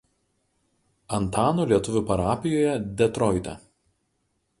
Antano lietuvių parapijoje Detroite.